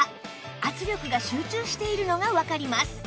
圧力が集中しているのがわかります